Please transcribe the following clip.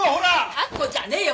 タコじゃねえよ